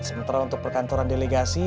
sementara untuk perkantoran delegasi